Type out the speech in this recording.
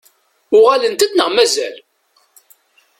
Uɣalent-d neɣ mazal?